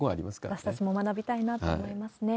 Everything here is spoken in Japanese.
私たちも学びたいなと思いますね。